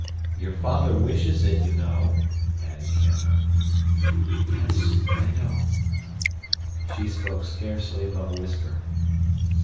"Your father wishes it, you know," added Canler. "Yes, I know." She spoke scarcely above a whisper.